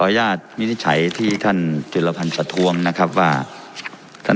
อนยาดมินิฉัยที่ท่านจุลพันประทวงนะครับว่าท่าน